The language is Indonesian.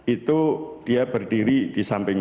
itu dia berdiri di samping